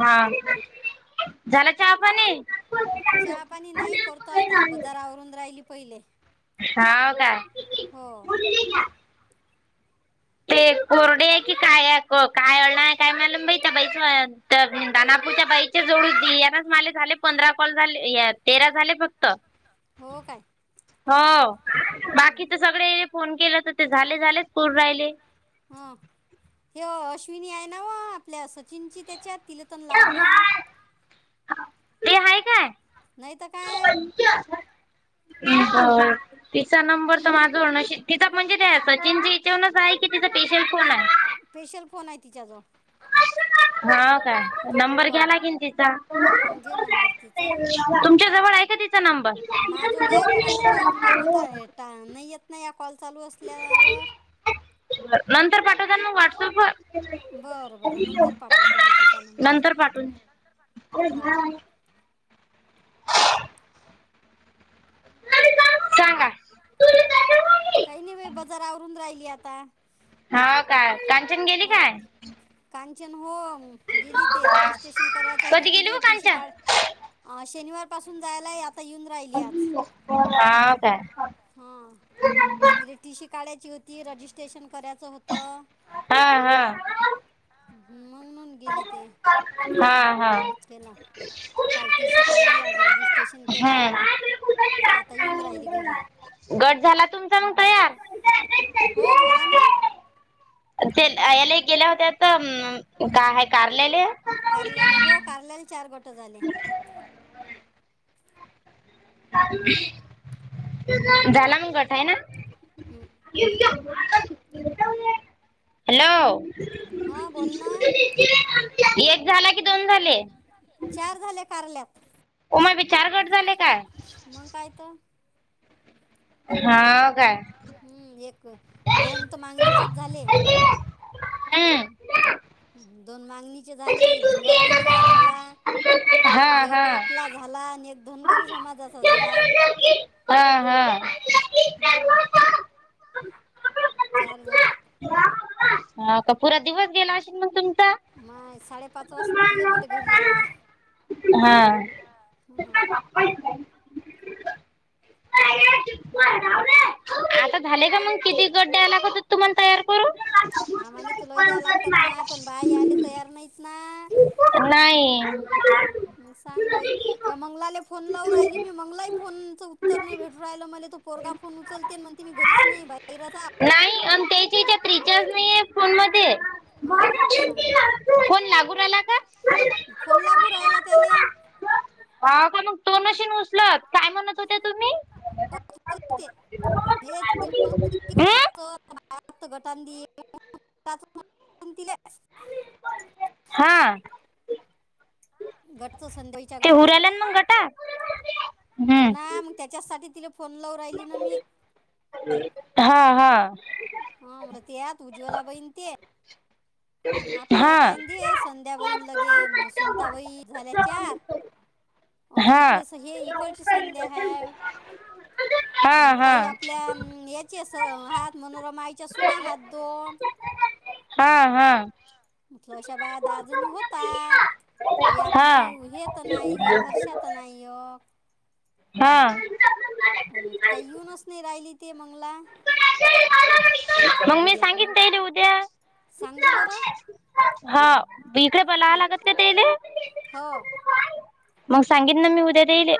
हा. चहा पाणी नाही करतो आता बजारावरून राहिली. पहिले हो. ते कोरडी आहे की काय आहे काय ळणार आहे काय. बाई बाई दनापूच्या बाईचे जोडू यानाच माले झाले पंधरा कॉल झाले. तेरा झाले फक्त. हो काय. हो बाकी तर सगळे फोन केला तर ते झाले झालेच पूर राहिले. ह हे अश्विनी आहे ना वा आपल्या सचिनची त्याच्यात तिला तरण लावण. नाहीत काय. कती. हो तिचा नंबर तर माझ तिचा म्हणजे र सचिन जी हिच्यावरूनच आहे. स्पेशल फोन आहे तिच्याजवळ. हा काय. नंबर घ्याला की तिचा तुमच्या जवळ आहे का त नंबर. ट नाही येत ना या कॉल चालू असल्यावर. नंतर पाठवता मग व्हॉट्सअप व नंतर पाठवून. सांगा. काही नाही बा बजारावरून राहिली आता. हो काय कांचन गेली काय? कांचन हो गेली ते रजिस्ट्रेशन करायचं होतं तिला टीसी काड. ह शनिवार पासून जायलाय आता येऊन. राहिली आज हा. तिला टीशीी काढायची होती रजिस्ट्रेशन करायचं होत. मग म्हून गेली ते. केलं काल टीशीी काढली आज रजिस्ट्रेशन केलं. आता येऊन राहिली घरी. गट झाला तुम. ट [unintelligible] झा तुम हो झाला ना. ते याला गेल्या होत्या तर का [unintelligible] कारल्याले हो कारल्याले चार गोट झाले [inaudible] झाला मग गठ आहे ना [inaudible] हम्म [inaudible] हॅलो. [inaudible] एक झाला की दोन झाले. चार झाले कारल्यात. उमा [inaudible] चार गट झाले काय. मंग काय तर [inaudible] हा. [inaudible] हम्म एक दोन तर मागणीचेच झाले. हम्म [inaudible] दोन मागणीचे झाले एक झिंगा बोहिणीचा झाला एक आपला [inaudible] झाला आणि एक धनगर समाजाचा झाला [inaudible] [inaudible] हम्म चार झाले [inaudible] हा का पुूरा दिवस गेला असेल मग तुमचा हा [inaudible] हो [inaudible] [inaudible] आता झाले का मग किती गड्डे्याला काते तुमला तयार करू. [inaudible] मा तुलाही द्या लागतात माय पण बाई आले तयार नाहीत ना [inaudible] नाही [inaudible] म सांग बाई या मंगलाला फोन लावले राहिली मी मंगलाही फोनचं उत्तर नाही भेटु राहिल मला तो पोरगा फोन उचलत ती म्हणती मी घरीच नाही बाहेरच [inaudible] नाही नाही ते [inaudible] रिचार्ज नाही फोन मध्ये [inaudible] फोन नाही लागू [inaudible] फोन लागू का फोन लागू राहिला त्याले हा का मग तो नशीन उचलत काय म्हणत होत्या तुम्ही ना [unintelligible] ही क हो [unintelligible] [unintelligible] घटन दि दिला [unintelligible] हा [inaudible] [unintelligible] घट त संदोय [inaudible] ते हऱलान मग गटा हम्म त्याच्यासाठी तिला फोन लावु राहिली ना मी हा हा हा मला ते आत उज्ज्वला बहीण ते आपल्या टाईम द संध्या बळीन लगे सुनताबाई झाल्या चार अन इकडे हे इकडची संध्या ह [inaudible] काही आपल्या [unintelligible] चे स हात मनोरमाईच्या सुना हात दोन हा -हा म्हटलं अशा बाया दजणी होतात [inaudible] हे आपली हे तर नाही हे हर्षात नाही य [inaudible] हा [inaudible] काही येऊनच नाही राहिली ती मंगला [inaudible] मग मी सांगीन तेयले उद्या [inaudible] सांग जा बरं [unintelligible] हा इकडे बलावं लागत का तेले मग सांगित ना मी उद्याईल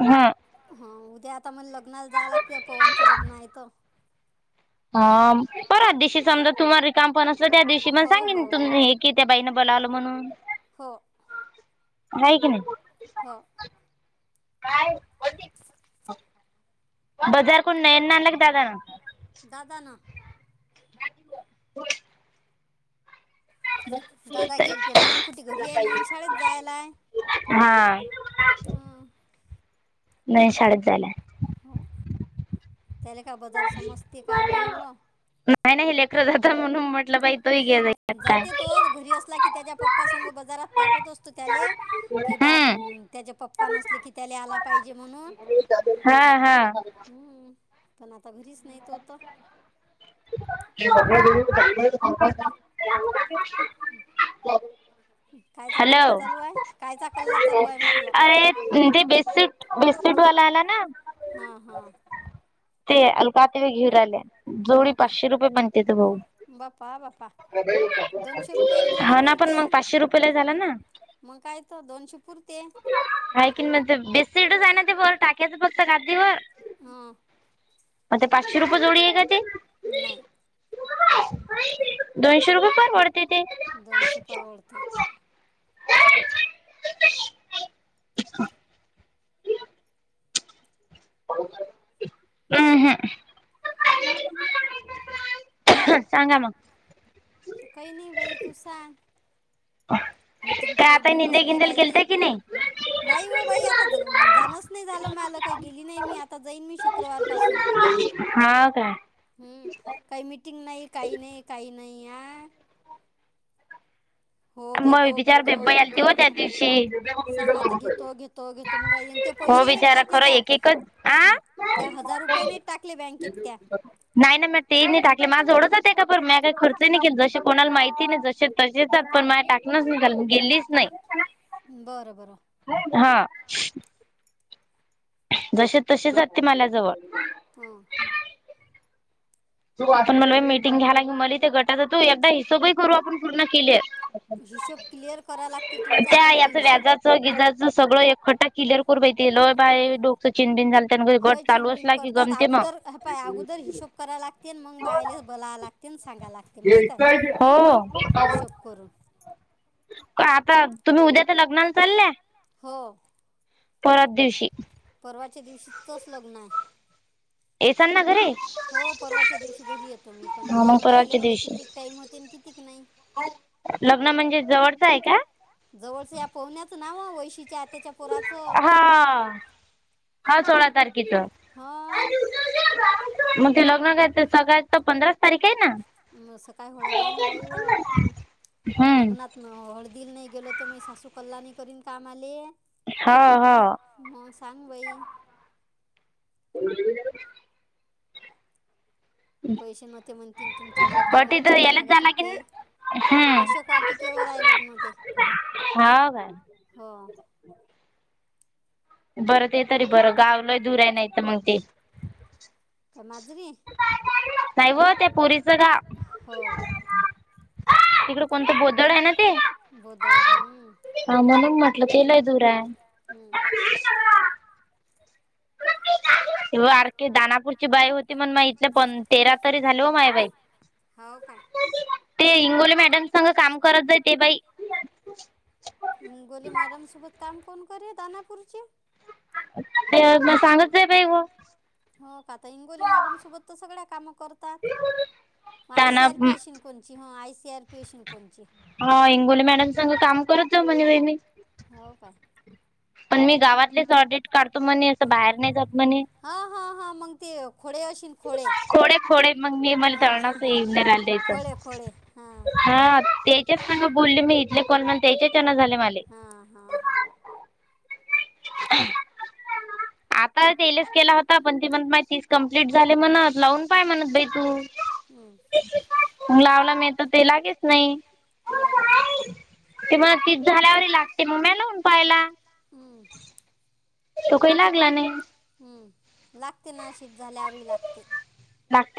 हम हा उद्या आता मण लग्ना जा लागते पवनच लग्न आहे तर ह ब समजा तुम का प हो हो हो की त्या बाईन बोलावलं म्हणून का की नाही हा काय बजार कोून न आणला क दादा ना दादा ना दादा गेलते नयन कुठे घरी ये नयन शाळेत जायलाय हा हा नाही शाळेत जालं हो त्याले का बजार समस्ती काय वही व नाही नाही लेकर जाता म्हणून म्हटलं पाहि जाते तोच घरी असला की त्याच्या पप्पा संघ बाजारात पाठवत असतो त्याले किं बा त्याचे पप्पा नसले कि त्याला आला पाहिजे म्हणून हम्म पण आता घरीच नाही त होत [inaudible] हॅलो अरे ते बेडशीट बेडशीिट वाला आला ना हा हा ते अल का ते व घेऊर आल्या जोडी पाचशे रुपये बणते त भाऊ हा ना पण मग पाचशे रुप मग काय तर दोनशे पुरते हाकिन मध्ये बेसी इड जा आहे ना ते बर टाक्याचं फक्त गदीवरर हम मग ते पाचशे रुपये जोडी आहे का ते नाही दोनशो रुपये पर पडते ती [inaudible] हम हा सांगा मग काही नाही भाई तू सां काय आता निंदे गिंदल गेलत की नाही नाही हो बाई आता जाणंच नाही झालं मला काही गेली नाही मी आता जाईन मी शुक्रवारपासून हा काय हम्म काही मिीटिंग नाही काही नाही काही नाही आ आ म बिचार भे आलती हो त्या दिवशी हो बिचारा खरं एक एकच आ नाही नाही मग ते नाही टाकले माझ जवडंचात आहे का पण मी काही खर्च नाही के जसे कोणाला माहिती नाही जसे तसेच पण टाकणच निघाल म गेलीच नाही बरं बरं हा जसे तसेचातते मला जवळ हा आपण मला मीटिंग घ्यायला क मला ते गटात तो एकदा हिशोबही करू आपण पूर्ण केले हिशोब क्लिअर कराव लागते तुमचा आता मला हिशोब गिजाचं सगळ एखट्टा क्लिअर करू पाहितीे लय बाय डोकचं बिन बिन झालं लय चिनबिन करतात अोद अगोदर हिशोब करा लागते ते मग बायलेस बोलावं लागते सांगाव लागते माहीत हिशोब करून आता तुम्ही उद्या तर लग्ना चालल्या हो परत दिवशी परवाच्या दिवशी तच लग्न आहे हो परवाच्या दिवशी घरी येतो मी पण तिकून याले मला किती टाइम होते किती किक नाही लग्न म्हणजे जवळच आहे का जवळचं या पोहण्याचं नाव वैशीच्या त्याच्या हा हा सोळा तारखेच म ते लग्न घ सकाळ तर पधरा तारखे आहे ना हम्म हळदीला नाही गेलो तर म सासू कल्लाणी करीन काम आले हो हो मग सांग बाई. कोण? पैसे नव्हते म्हण त तुमच्या जवळ तर मला मांगा लागत होते. अशक वाटिकेवर आहेय लग्न ते हो. बरं ते तरी बरं गावला दुर आहे नाही तर मग ते काय मझरी नाही व त्या पुरीच घा तिकड. कोणतं बोदळ आहे ना ते ह म्हण म्हटलं ते लय दुर आहे. हम्. तेव अरखी दानापूरची बाई होती मण माग इथ प तेरा तरी झाले हो मायबाई हो का? ते हिंगोली मॅडम संग काम करत जाई ते बाई. म गोली मॅडम सोबत काम कोण कर दनापूरची. हो काता इंगोली मॅडम सोबत सगळ्या काम करत. आय सी आर पी असश कोणची ह आय सी आर पी असश कोणची? हा इंगोली मॅडम संग काम करत जाऊ म्हणे व मी हो काय? पण मी गावातलेच ऑडिट काढतो म्हणे असं बाहेर नाही जात म्हणे. हा हा हा मग ते खोडे असशील खोडे. थोडे फोडे मग मी मला तळणास ये राल दयच हा ते बोलले मी इथले कल म्हण त्याच्याच्याना झाले मला हा हा. आ. आ तेलस केला होता पण ते म्हण मा तीस कं्प्लीट झाले म्हणत लावून पाय म्हणत बाई तू मग लावला मिळत ते लागेच नाही. ते मग तीच झाल्यावर लागते म्म्या लावून पाहायला. हम्म. तो काही लागला नाही. हम्म लागते ना शीत झाल्यावरही लागते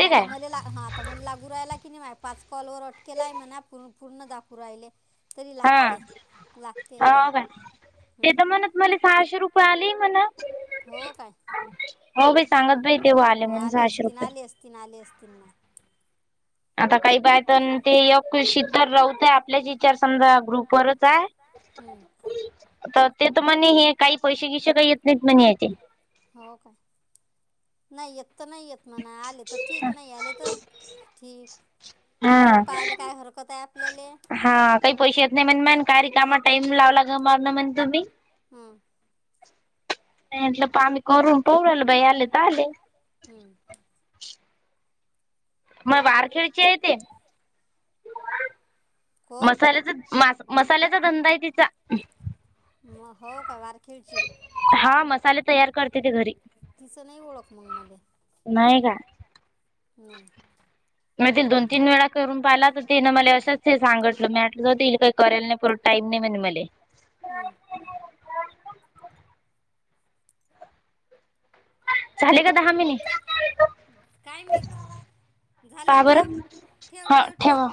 आता मले ला. आता मग लागू राहिला कि नाही पाच कॉलवर अटकेला आहे म पूर्ण दाखू राहिले. तरी लागते लागते कॉल हम्. मला सहाशे रुपये आले म्हणा. हो भाई सांगत भाई तेव्हा आले म्हण सहाशे रुपये. त ना आले असतील ना. आता काही बाय तर ते य शीतर राहतय आपल्याच विचार समजा ग्रुपवररच आहे. तर ते तर म्हणे हे काही पैसे किसे काही येत नाहीत म्हणे याचे. हो काय नाही येत तर नाही येत म्हणा आले तर ठीक नाही आले तर ठीक. करून पाहिले काय हरकत आहे. हा काही पैसे येत नाही म्हण म का र कामा टाईम लावला गमाण म्हण तुम्ही? हा. नाहीटलं प आम्ही करून पो आलं बाई आले तर आले. हम्म. मग वारखेडची आहे ते मसाल्याचा मा मसाल्याचा धंदा आहे तिचा मग हो का वारखेळची हा मसाले तयार करते ते घरी तिचं नाही ओळख मग मला नाही का? म ते दोन तीन वेळा करून पाहिला तर तेनं मला असशंच हे सांगटलं मटलं तर ते काही केल नाही. टाईम नाहीे म्हण मले हम्म झाले का दहा मिनीिट [inaudible] का बर हा ठेवा